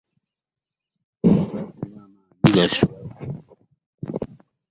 Nga sirina manyi gasitula bizitowa.